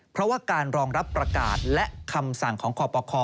เพราะว่าการรองรับประกาศและคำสั่งของคอปค